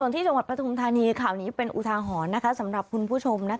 ส่วนที่จังหวัดประทุทธธารณีคราวนี้เป็นอุทาหรณ์สำหรับคุณผู้ชม